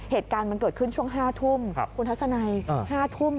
เหตุการณ์มันเกิดขึ้นช่วง๕ทุ่มคุณทัศนัย๕ทุ่ม